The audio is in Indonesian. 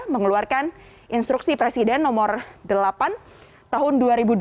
mengeluarkan instruksi presiden nomor delapan tahun dua ribu dua puluh